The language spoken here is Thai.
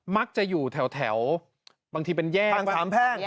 มักจะอยู่แถวบางทีเป็นแยกทางสามแพ่ง